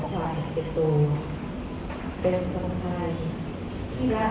สวัสดีครับสวัสดีครับ